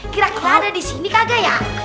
kira kira ada di sini kagak ya